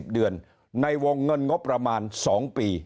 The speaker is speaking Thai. เดือนในวงเงินงบประมาณ๒ปี